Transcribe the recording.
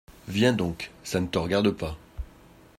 Viens donc, ça ne te regarde pas.